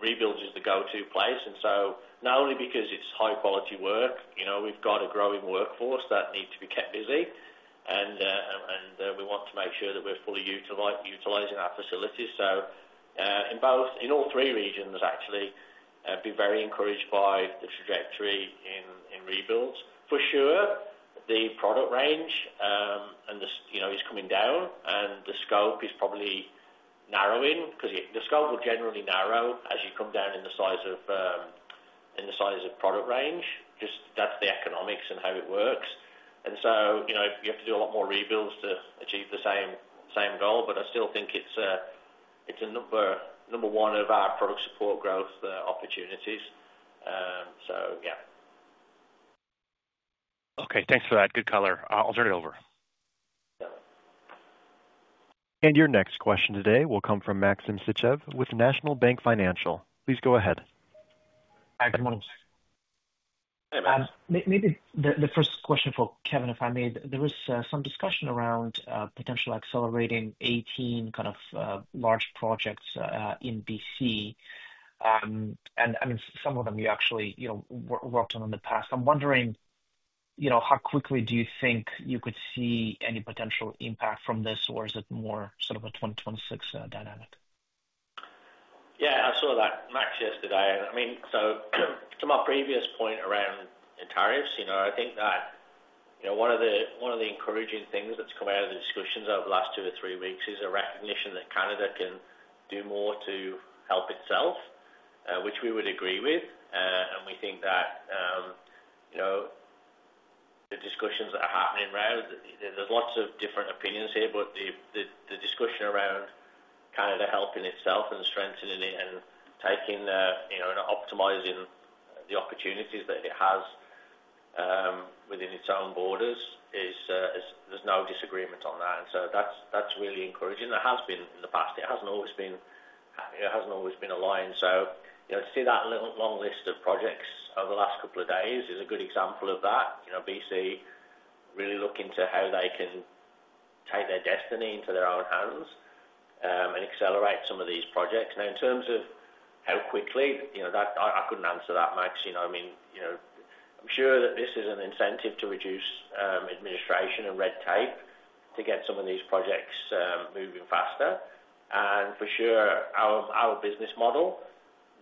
rebuilds is the go-to place. And so not only because it's high-quality work, we've got a growing workforce that needs to be kept busy, and we want to make sure that we're fully utilizing our facilities. So in all three regions, actually, I'd be very encouraged by the trajectory in rebuilds. For sure, the product range is coming down, and the scope is probably narrowing because the scope will generally narrow as you come down in the size of product range. Just that's the economics and how it works. And so you have to do a lot more rebuilds to achieve the same goal, but I still think it's a number one of our product support growth opportunities. So yeah. Okay. Thanks for that. Good color. I'll turn it over. And your next question today will come from Maxim Sichev with National Bank Financial. Please go ahead. Hi. Good morning. Hey, Maxim. Maybe the first question for Kevin, if I may. There was some discussion around potentially accelerating 18 kind of large projects in BC, and I mean, some of them you actually worked on in the past. I'm wondering how quickly do you think you could see any potential impact from this, or is it more sort of a 2026 dynamic? Yeah. I saw that Max yesterday. I mean, so to my previous point around tariffs, I think that one of the encouraging things that's come out of the discussions over the last two or three weeks is a recognition that Canada can do more to help itself, which we would agree with. We think that the discussions that are happening around, there's lots of different opinions here, but the discussion around Canada helping itself and strengthening it and taking and optimizing the opportunities that it has within its own borders, there's no disagreement on that. That's really encouraging. That has been in the past. It hasn't always been happening. It hasn't always been aligned. To see that long list of projects over the last couple of days is a good example of that. BC really looking to how they can take their destiny into their own hands and accelerate some of these projects. Now, in terms of how quickly, I couldn't answer that, Max. I mean, I'm sure that this is an incentive to reduce administration and red tape to get some of these projects moving faster. And for sure, our business model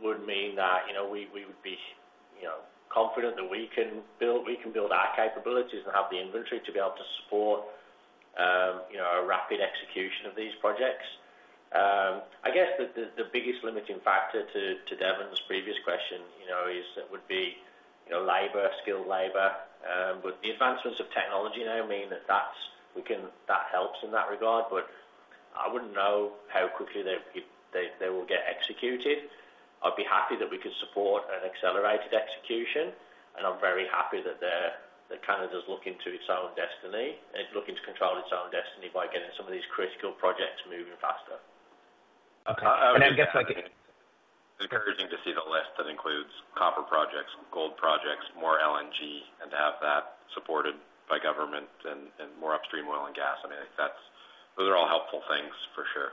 would mean that we would be confident that we can build our capabilities and have the inventory to be able to support a rapid execution of these projects. I guess the biggest limiting factor to Devin's previous question would be labor, skilled labor. But the advancements of technology now mean that that helps in that regard, but I wouldn't know how quickly they will get executed. I'd be happy that we could support an accelerated execution, and I'm very happy that Canada's looking to its own destiny and looking to control its own destiny by getting some of these critical projects moving faster. Okay. And I guess Encouraging to see the list that includes copper projects, gold projects, more LNG, and to have that supported by government and more upstream oil and gas. I mean, those are all helpful things for sure.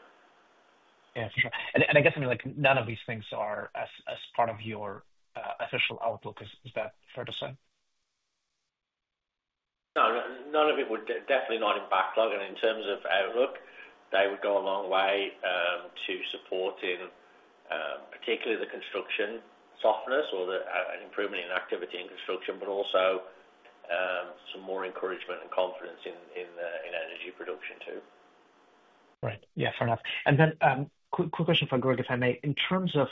Yeah. For sure. And I guess, I mean, none of these things are a part of your official outlook. Is that fair to say? No. None of it would definitely not in backlog. And in terms of outlook, they would go a long way to supporting particularly the construction softness or an improvement in activity in construction, but also some more encouragement and confidence in energy production too. Right. Yeah. Fair enough. And then quick question for Greg, if I may. In terms of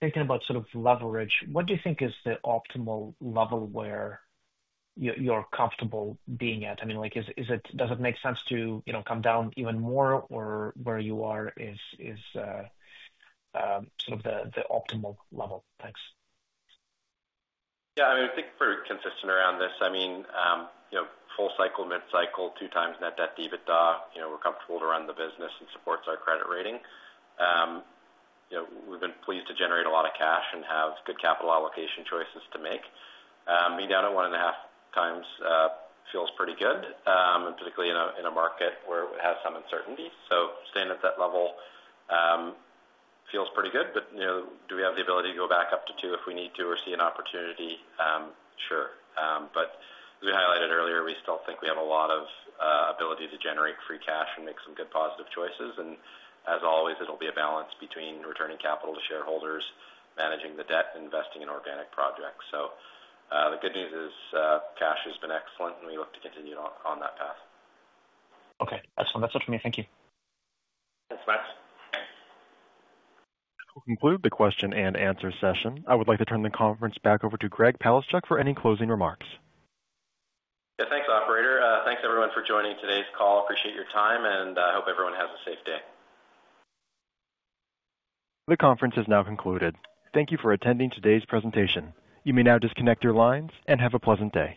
thinking about sort of leverage, what do you think is the optimal level where you're comfortable being at? I mean, does it make sense to come down even more, or where you are is sort of the optimal level? Thanks. Yeah. I mean, I think we're consistent around this. I mean, full cycle, mid-cycle, two times net debt, we're comfortable to run the business and supports our credit rating. We've been pleased to generate a lot of cash and have good capital allocation choices to make. Being down at one and a half times feels pretty good, and particularly in a market where it has some uncertainty. Staying at that level feels pretty good. Do we have the ability to go back up to two if we need to or see an opportunity? Sure. As we highlighted earlier, we still think we have a lot of ability to generate free cash and make some good positive choices. As always, it'll be a balance between returning capital to shareholders, managing the debt, and investing in organic projects. The good news is cash has been excellent, and we look to continue on that path. Okay. Excellent. That's it for me. Thank you. Thanks, Max. To conclude the question and answer session, I would like to turn the conference back over to Greg Palaschuk for any closing remarks. Yeah. Thanks, Operator. Thanks, everyone, for joining today's call. Appreciate your time, and I hope everyone has a safe day. The conference has now concluded. Thank you for attending today's presentation. You may now disconnect your lines and have a pleasant day.